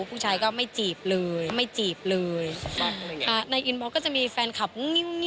ผู้ชายอาจจะไม่จีบเลย